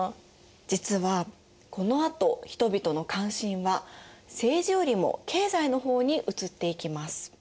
実はこのあと人々の関心は政治よりも経済の方に移っていきます。